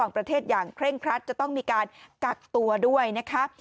ประเทศอย่างเคร่งครัดจะต้องมีการกักตัวด้วยนะคะ